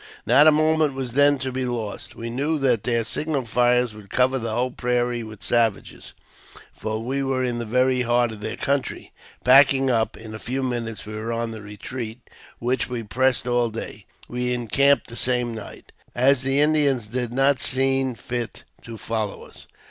Not a moment was then to be lost. We knew that their signal fires would cover the whole prairie with savages, for we were in the very heart of their country. Packing up, in a few minutes we were on the retreat, which we pressed all day. We encamped the same night, as the Indians did not see fit to follow us.